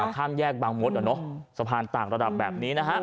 ข้ามแยกบางมดสะพานต่างระดับแบบนี้นะฮะ